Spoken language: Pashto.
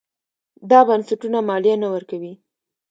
دا بنسټونه مالیه نه ورکوي.